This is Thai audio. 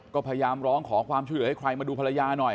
ก็พยายามร้องขอความช่วยเหลือให้ใครมาดูภรรยาหน่อย